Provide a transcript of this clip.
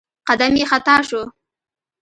قدم يې خطا شو.